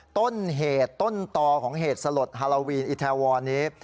ต้นเหตุต้นต่อของเหตุสลดฮาโลวีนอิทาวรนี้